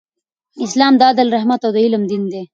اسلام د عدل، رحمت او علم دین دی.